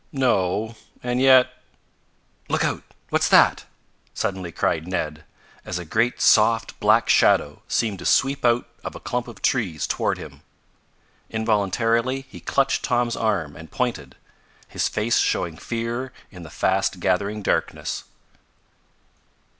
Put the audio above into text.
"No, and yet Look out! What's that?" suddenly cried Ned, as a great soft, black shadow seemed to sweep out of a clump of trees toward him. Involuntarily he clutched Tom's arm and pointed, his face showing fear in the fast gathering darkness.